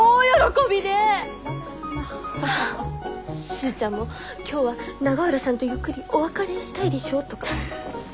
「スーちゃんも今日は永浦さんとゆっくりお別れしたいでしょ？」とか。